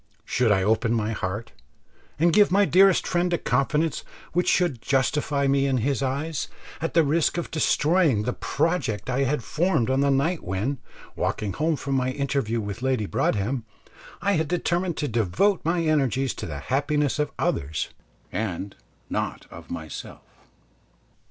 Should I open my heart and give my dearest friend a confidence which should justify me in his eyes, at the risk of destroying the project I had formed on that night when, walking home from my interview with Lady Broadhem, I had determined to devote my energies to the happiness of others and not of myself?